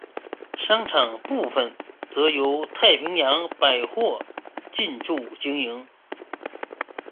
商场部份则由太平洋百货进驻经营。